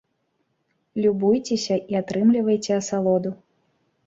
Любуйцеся і атрымлівайце асалоду!